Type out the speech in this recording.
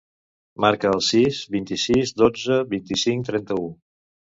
Marca el sis, vint-i-sis, dotze, vint-i-cinc, trenta-u.